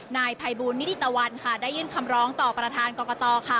นายภัยบูลนิติตะวันค่ะได้ยื่นคำร้องต่อประธานกรกตค่ะ